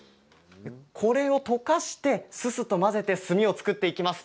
これを溶かして「すす」と混ぜて墨を作っていきます。